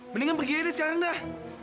mendingan pergi aja deh sekarang dah